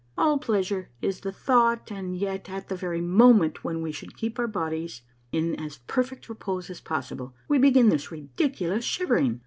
All pleasure is the thought, and yet at the very moment when we should keep our bodies in as perfect repose as possible, we begin this ridiculous shivering.